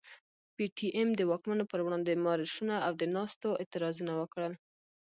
پي ټي ايم د واکمنو پر وړاندي مارشونه او د ناستو اعتراضونه وکړل.